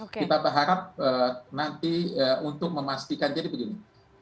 kita berharap nanti untuk memastikan jadi begini